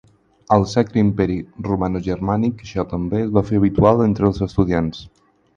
Al Sacre Imperi Romanogermànic, això també es va fer habitual entre els estudiants.